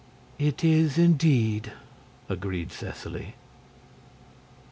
"It is, indeed," agreed Seseley.